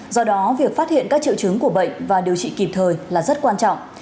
do đó việc phát hiện các triệu chứng của bệnh và điều trị kịp thời là rất quan trọng